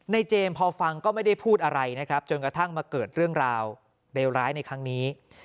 เจมส์พอฟังก็ไม่ได้พูดอะไรนะครับจนกระทั่งมาเกิดเรื่องราวเลวร้ายในครั้งนี้